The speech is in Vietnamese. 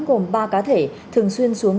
gồm ba cá thể thường xuyên xuống